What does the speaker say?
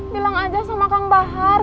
bilang aja sama kang bahar